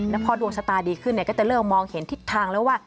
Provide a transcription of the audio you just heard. แล้วพอดวงชะตาดีขึ้นก็จะเริ่มมองเห็นทิศทางแล้วว่า